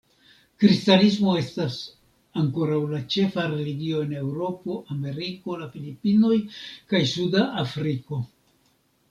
Kristanismo estas ankoraŭ la ĉefa religio en Eŭropo, Ameriko, la Filipinoj kaj Suda Afriko.